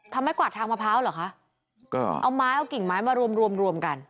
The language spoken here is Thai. ไม้กวาดทางมะพร้าวเหรอคะก็เอาไม้เอากิ่งไม้มารวมรวมกัน